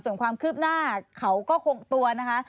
ส่วนความคืบหน้าเขาก็คงตัวนะคะ